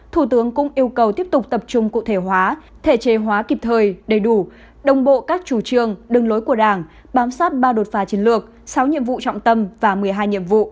thủ tướng cũng yêu cầu tiếp tục tập trung cụ thể hóa thể chế hóa kịp thời đầy đủ đồng bộ các chủ trương đường lối của đảng bám sát ba đột phá chiến lược sáu nhiệm vụ trọng tâm và một mươi hai nhiệm vụ